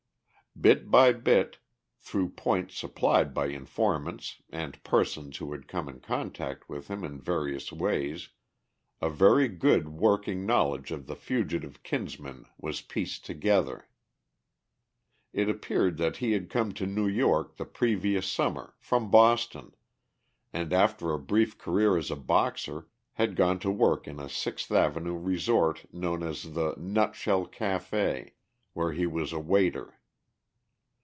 Bit by bit, through points supplied by informants and persons who had come in contact with him in various ways, a very good working knowledge of the fugitive Kinsman was pieced together. It appeared that he had come to New York the previous summer, from Boston, and after a brief career as a boxer, had gone to work in a Sixth avenue resort known as the "Nutshell Café," where he was a waiter.